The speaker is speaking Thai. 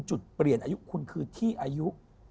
จุดเปลี่ยนอายุคุณคือที่อายุ